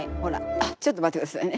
あちょっと待ってくださいね。